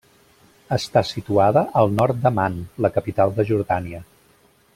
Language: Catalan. Està situada al nord d'Amman, la capital de Jordània.